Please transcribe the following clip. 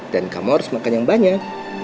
dan kamu harus makan yang banyak